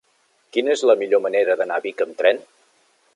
Quina és la millor manera d'anar a Vic amb tren?